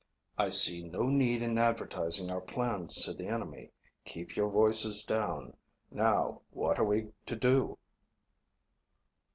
"I see no need in advertising our plans to the enemy. Keep your voices down. Now, what are we to do?"